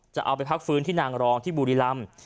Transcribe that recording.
จะเอาไปพักฟื้นที่นางรองที่บุรีรำ